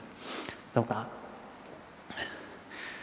どうか。